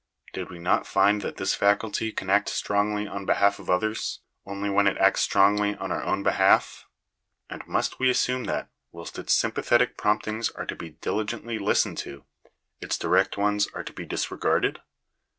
Did we not find that this faculty can act strongly on behalf of others, only when it acts strongly on our own behalf (p. 08) ? And must we assume that, whilst its sympathetic promptings are to be diligently listened to, its direct ones are to be disregarded?